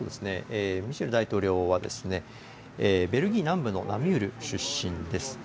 ミシェル大統領は、ベルギー南部のナミュール出身です。